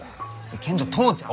けんど父ちゃん！